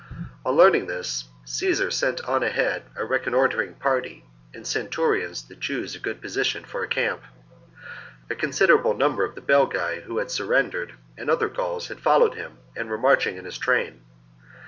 On learning this, Caesar sent on ahead a 57 b.c. reconnoitring party and centurions to choose TheNerviar '' r A '111 P'^" °^ a good position for a camp. A considerable attack. number of the Belgae who had surrendered and other Gauls had followed him, and were marching in his train.